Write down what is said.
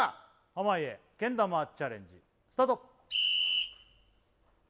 濱家けん玉チャレンジスタート